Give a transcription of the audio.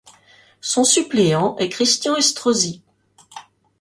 Son suppléant est Christian Estrosi.